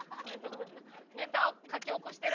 ネタを書き起こしてる。